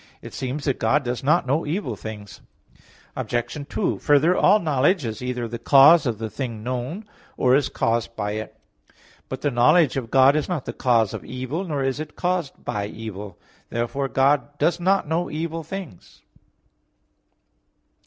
2), it seems that God does not know evil things. Obj. 2: Further, all knowledge is either the cause of the thing known, or is caused by it. But the knowledge of God is not the cause of evil, nor is it caused by evil. Therefore God does not know evil things.